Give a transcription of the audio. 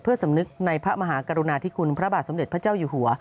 สำนึกในพระมหากรุณาธิคุณพระบาทสมเด็จพระเจ้าอยู่หัว